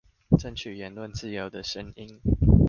爭取言論自由的聲音